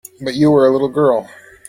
But you were a little girl.